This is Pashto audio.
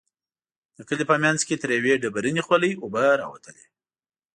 د کلي په منځ کې تر يوې ډبرينې خولۍ اوبه راوتلې.